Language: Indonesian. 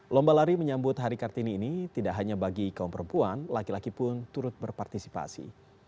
lomba lari menyambut hari kartini ini tidak hanya bagi kaum perempuan laki laki pun turut berpartisipasi